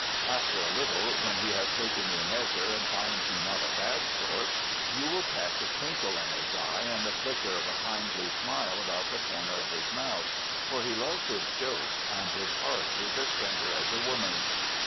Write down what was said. After a little, when he has taken your measure and finds you not a bad sort, you will catch a twinkle in his eye and the flicker of a kindly smile about the corner of his mouth, for he loves his joke and his heart is as ten der as a woman's.